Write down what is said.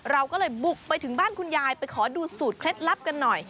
เราก็เลยบุกไปถึงบ้านคุณยายไปขอดูสูตรเคล็ดลับกันหน่อย